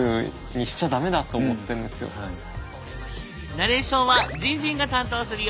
ナレーションはじんじんが担当するよ！